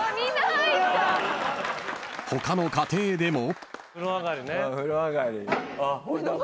［他の家庭でも］